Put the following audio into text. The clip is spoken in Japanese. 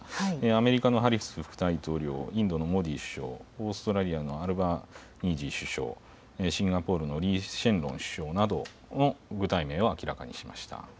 アメリカのハリス副大統領、インドのモディ首相、オーストラリアのアルバニージー首相、シンガポールのリー・シェンロン首相、具体名を明らかにしました。